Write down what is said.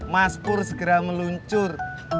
mas pur segera meluncur